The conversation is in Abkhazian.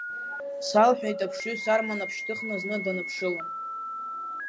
Салҳәеит аԥшҩы, сарма нап шьҭыхны зны даныԥшылан.